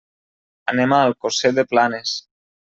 Anem a Alcosser de Planes.